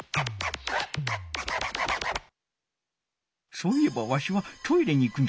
そういえばわしはトイレに行くんじゃった。